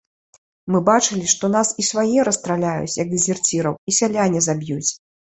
Мы бачылi, што нас i свае расстраляюць, як дызерцiраў, i сяляне заб'юць.